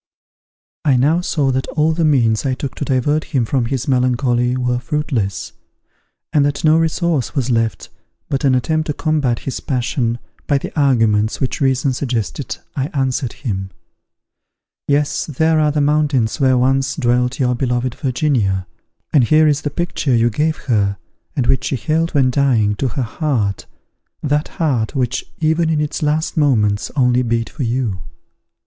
I now saw that all the means I took to divert him from his melancholy were fruitless, and that no resource was left but an attempt to combat his passion by the arguments which reason suggested I answered him, "Yes, there are the mountains where once dwelt your beloved Virginia; and here is the picture you gave her, and which she held, when dying, to her heart that heart, which even in its last moments only beat for you."